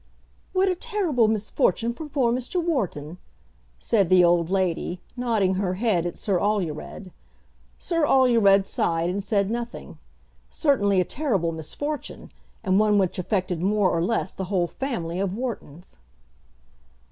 "What a terrible misfortune for poor Mr. Wharton," said the old lady, nodding her head at Sir Alured. Sir Alured sighed and said nothing. Certainly a terrible misfortune, and one which affected more or less the whole family of Whartons!